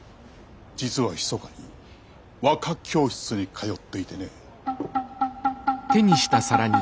実はひそかに和歌教室に通っていてね。